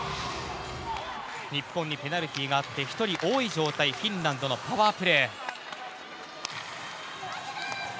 日本にペナルティーがあり１人多い状態のフィンランドのパワープレー。